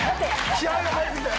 気合が入り過ぎて。